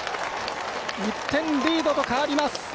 １点リードに変わります。